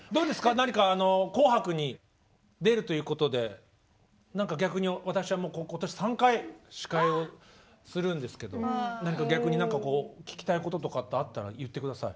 何か「紅白」に出るということで何か逆に私はもう今年３回司会をするんですけど逆に何かこう聞きたいこととかあったら言って下さい。